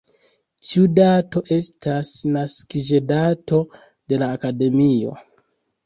Tiu dato estas naskiĝdato de la akademio.